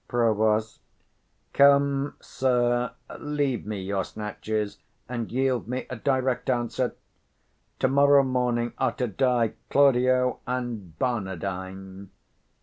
Prov. Come, sir, leave me your snatches, and yield me 5 a direct answer. To morrow morning are to die Claudio and Barnardine.